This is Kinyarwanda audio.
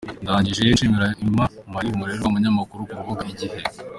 Ndangije nshimira Emma-Marie Umurerwa, umunyamakuru ku rubuga “igihe.